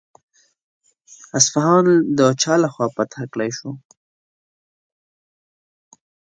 اصفهان د چا له خوا فتح کړای شو؟